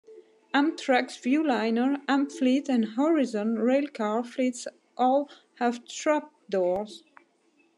Amtrak's Viewliner, Amfleet, and Horizon railcar fleets all have trapdoors.